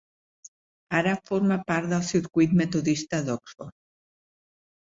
Ara forma part del circuit metodista d'Oxford.